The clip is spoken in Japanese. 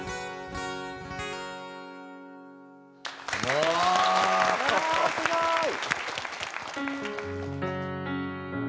うわーすごい！